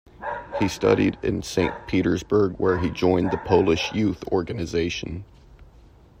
He studied in Saint Petersburg where he joined the Polish Youth Organization.